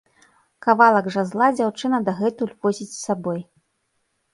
Кавалак жазла дзяўчына дагэтуль возіць з сабой.